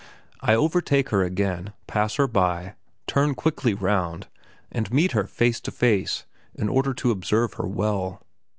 I overtake her again, pass her by, turn quickly round, and meet her face to face in order to observe her well.